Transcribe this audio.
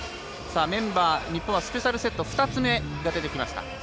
メンバー、日本はスペシャルセット２つ目が出てきました。